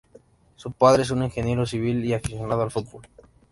Su padre es un ingeniero civil y aficionado al fútbol.